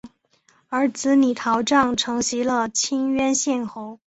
儿子李桃杖承袭了清渊县侯。